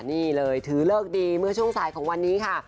นี่เลยถือเลิกดีเมื่อช่วงสายของวันนี้ค่ะ